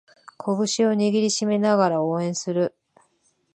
拳を握りしめながら応援する